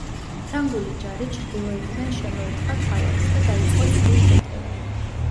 ფრანგული ჯარი ჩრდილოეთიდან შემოერტყა ქალაქს და დაიწყო ცრუ შეტევა.